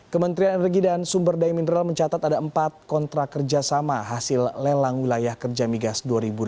kementerian energi dan sumber daya mineral mencatat ada empat kontrak kerjasama hasil lelang wilayah kerja migas dua ribu delapan belas